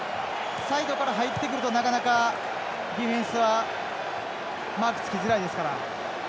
サイドから入ってくるとなかなか、ディフェンスはマークつきづらいですから。